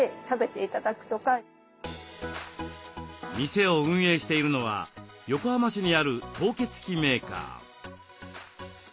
店を運営しているのは横浜市にある凍結機メーカー。